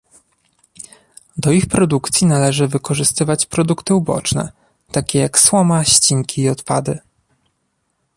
Do ich produkcji należy wykorzystywać produkty uboczne, takie jak słoma, ścinki i odpady